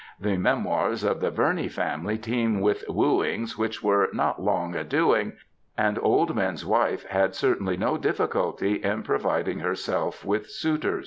The memoirs of the Vemey family teem with ^^ wooings ^^ which were ^^ not long adoing,^^ and *^ old men^s wife ^ had certainly no difficulty in providing herself with suitors.